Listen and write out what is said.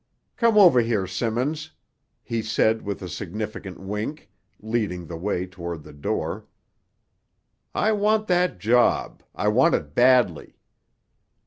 "Come over here, Simmons," he said with a significant wink, leading the way toward the door. "I want that job; I want it badly."